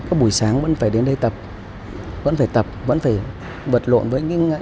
các buổi sáng vẫn phải đến đây tập vẫn phải tập vẫn phải vật lộn với những